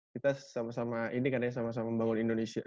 kita sama sama ini kan ya sama sama membangun